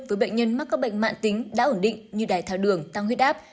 với bệnh nhân mắc các bệnh mạng tính đã ổn định như đài thao đường tăng huyết áp